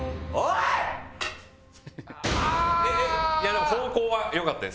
いやでも方向はよかったです。